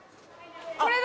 これだ！